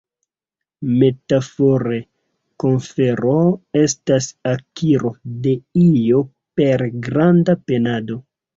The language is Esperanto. Metafore konkero estas akiro de io per granda penado.